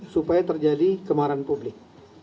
supaya terjadi kemarahan publik